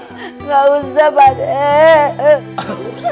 insya allah nanti akan diganti